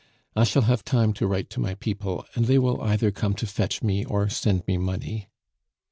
I shall have time to write to my people, and they will either come to fetch me or send me money."